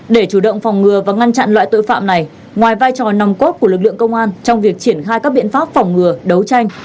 để chủ động phòng ngừa và ngăn chặn loại tội phạm này ngoài vai trò nồng cốt của lực lượng công an trong việc triển khai các biện pháp phòng ngừa đấu tranh